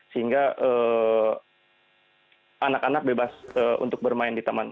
sehingga anak anak bebas untuk bermain di taman